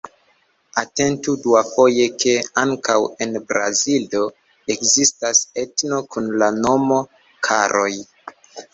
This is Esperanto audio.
Atentu duafoje, ke ankaŭ en Brazilo ekzistas etno kun la nomo "Karoj".